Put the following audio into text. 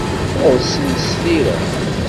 Rsen d tira.